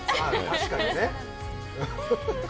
確かにね。